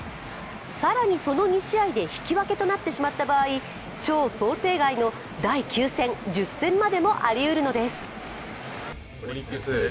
更にその２試合で引き分けとなってしまった場合、超想定外の第９戦、１０戦までもありうるのです。